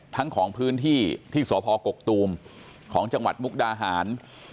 ทั้งของพื้นที่ที่สพกกตูมของจังหวัดมุกดาหาร